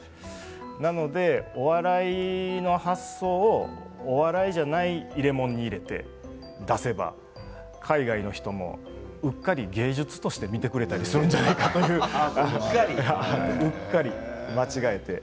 なので、お笑いの発想をお笑いじゃない入れ物に入れて出せば海外の人も、うっかり芸術として見てくれるんじゃないかとうっかり間違えて。